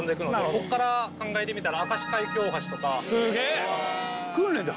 ここから考えてみたら。